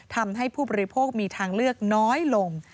ทำให้ผู้บริโภคมีทางเลือกน้อยลง